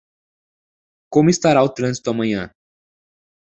Como estará o trânsito amanhã?